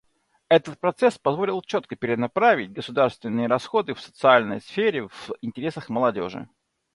Этот процесс позволил четко перенаправить государственные расходы в социальной сфере в интересах молодежи.